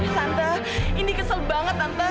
tante indi kesel banget tante